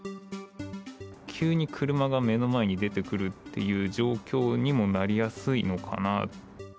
急に車が目の前に出てくるっていう状況にもなりやすいのかな。